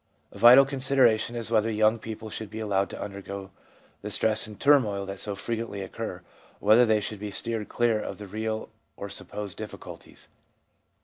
A vital consideration is whether young people should be allowed to undergo the stress and turmoil that so frequently occur, or whether they should be steered clear of the real or supposed difficulties.